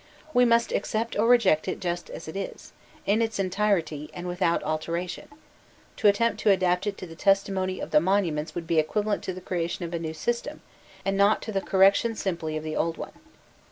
We must accept or reject it just as it is, in its entirety and without alteration: to attempt to adapt it to the testimony of the monuments would be equivalent to the creation of a new system, and not to the correction simply of the old one.